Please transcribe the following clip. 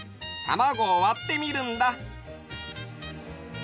たまごをわってみるんだ。